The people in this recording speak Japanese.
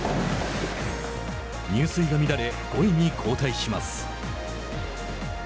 入水が乱れ、５位に後退します。